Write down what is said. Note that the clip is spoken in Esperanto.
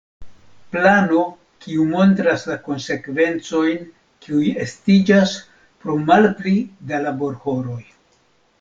Plano, kiu montras la konsekvencojn kiuj estiĝas pro malpli da laborhoroj.